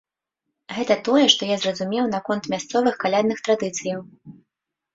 Гэта тое, што я зразумеў наконт мясцовых калядных традыцыяў.